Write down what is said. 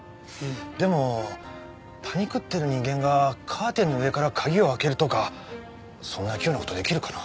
でもパニクってる人間がカーテンの上から鍵を開けるとかそんな器用な事出来るかな？